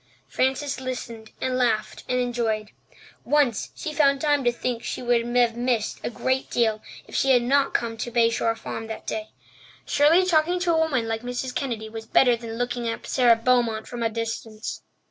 Frances listened and laughed and enjoyed. Once she found time to think that she would have missed a great deal if she had not come to Bay Shore Farm that day. Surely talking to a woman like Mrs. Kennedy was better than looking at Sara Beaumont from a distance.